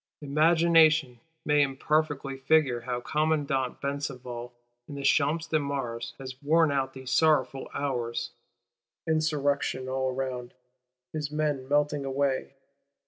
Imagination may, imperfectly, figure how Commandant Besenval, in the Champ de Mars, has worn out these sorrowful hours Insurrection all round; his men melting away!